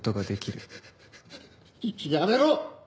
ややめろ！